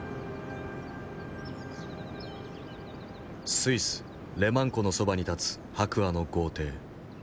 スイスレマン湖のそばに建つ白亜の豪邸。